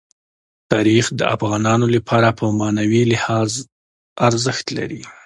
تاریخ د افغانانو لپاره په معنوي لحاظ ارزښت لري.